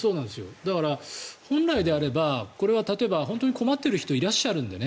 だから、本来であればこれは例えば本当に困っている方がいらっしゃるので